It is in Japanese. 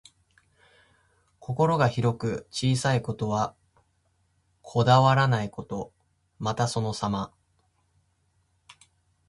心が広く、小さいことにはこだわらないこと。また、そのさま。